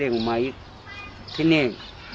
นี่นะ